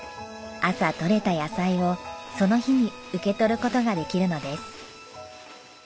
朝採れた野菜をその日に受け取る事ができるのです。